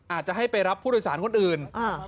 อาจจะให้ไปรับผู้โดยสารคนอื่น